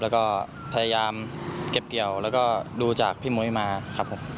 แล้วก็พยายามเก็บเกี่ยวแล้วก็ดูจากพี่มุ้ยมาครับผม